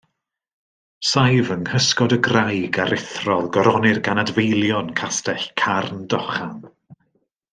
Saif yng nghysgod y graig aruthrol goronir gan adfeilion castell Carn Dochan.